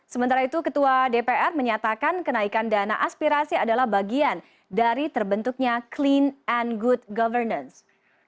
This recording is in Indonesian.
sementara itu ketua dpr menyatakan kenaikan dana aspirasi adalah bagian dari terbentuknya clean and good governance